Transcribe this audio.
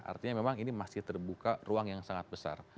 artinya memang ini masih terbuka ruang yang sangat besar